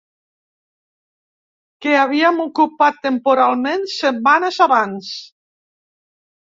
Que havíem ocupat temporalment setmanes abans